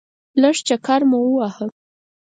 لږ چکر مو وواهه.